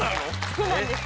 そうなんです。